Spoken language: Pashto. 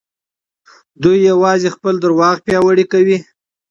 دوی يوازې خپل دروغ پياوړي کوي.